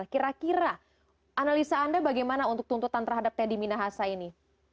kira kira analisa anda bagaimana untuk tuntutan terhadap teddy minahasa ini